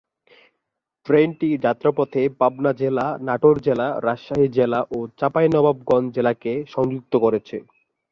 ট্রেনটি যাত্রাপথে পাবনা জেলা, নাটোর জেলা, রাজশাহী জেলা ও চাঁপাইনবাবগঞ্জ জেলাকে সংযুক্ত করেছে।